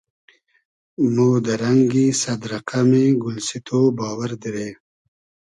مۉ دۂ رئنگی سئد رئقئمی گولسیتۉ باوئر دیرې